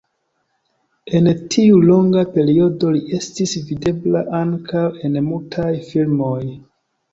En tiu longa periodo li estis videbla ankaŭ en mutaj filmoj.